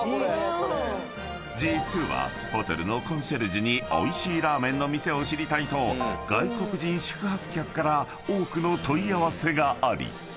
［実はホテルのコンシェルジュにおいしいラーメンの店を知りたいと外国人宿泊客から多くの問い合わせがあり］